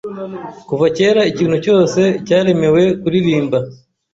Kuva kera Ikintu cyose cyaremewe kuririrmba